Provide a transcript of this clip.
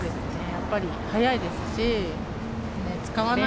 やっぱり早いですし、便利だし。